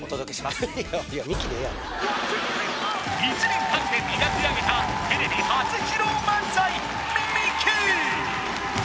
１年かけて磨き上げたテレビ初披露漫才